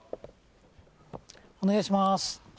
お願いします。